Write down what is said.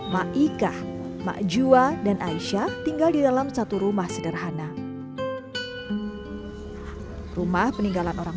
maika ma jua dan aisyah tinggal di dalam satu rumah sederhana rumah peninggalan orang